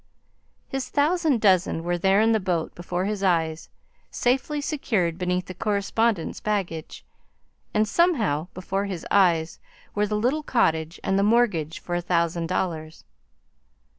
His thousand dozen were there in the boat before his eyes, safely secured beneath the correspondents' baggage, and somehow, before his eyes were the little cottage and the mortgage for a thousand dollars.